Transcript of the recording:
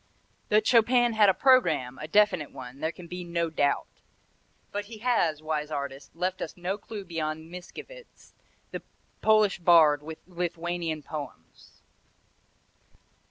That Chopin had a programme, a definite one, there can be no doubt; but he has, wise artist, left us no clue beyond Mickiewicz's, the Polish bard Lithuanian poems.